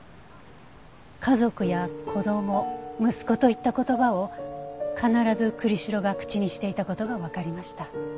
「家族」や「子供」「息子」といった言葉を必ず栗城が口にしていた事がわかりました。